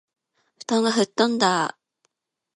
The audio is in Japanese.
布団が吹っ飛んだあ